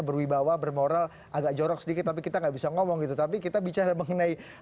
berwibawa bermoral agak jorok sedikit tapi kita nggak bisa ngomong gitu tapi kita bicara mengenai